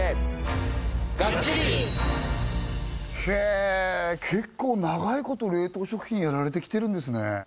へえ結構長いこと冷凍食品やられてきてるんですね